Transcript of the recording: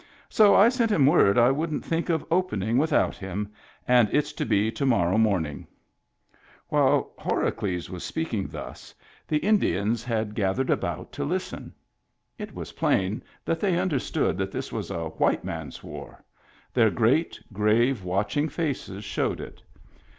So I sent him word I wouldn't think of opening without him, and it's to be to morrow morning." While Horacles was speaking thus, the Indians Digitized by Google HAPPY TEETH 51 had gathered about to listen. It was plain that they understood that this was a white man's war ; their great, grave, watching faces showed it.